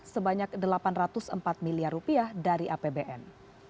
sebanyak delapan ratus empat miliar rupiah dari apbn